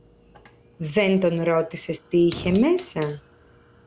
Δεν τον ρώτησες τι είχε μέσα;